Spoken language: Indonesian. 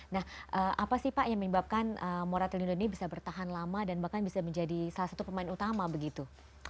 nah apa sih pak yang menyebabkan moratelindo ini bisa bertahan lama dan bahkan bisa menjadi salah satu pemain utama begitu